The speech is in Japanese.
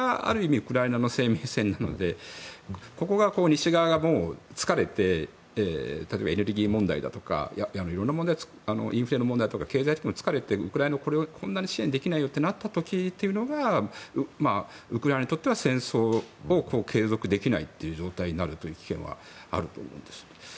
ウクライナ側の生命線なので、西側が疲れて例えばエネルギー問題とかインフレの問題とか経済的にも疲れてウクライナをこんなに支援できないよってなった時がウクライナにとっては戦争を継続できないという状態になる危険はあると思うんです。